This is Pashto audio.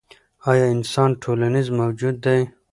ایا انسان ټولنیز موجود دی؟